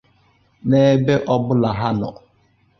n'ebe ọbụla ha nọ